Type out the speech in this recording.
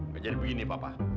gak jadi begini papa